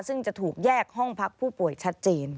ซึ่งจะถูกแยกห้องพักผู้ป่วยชัดเจน